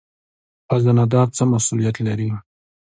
خزانه دار څه مسوولیت لري؟